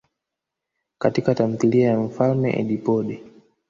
Katika tamthilia ya Mfalme Edipode.